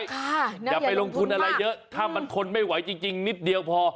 อย่าไปลงทุนอะไรเยอะถ้ามันทนไม่ไหวจริงนิดเดียวพอ